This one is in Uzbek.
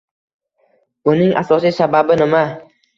Buning asosiy sababi nima?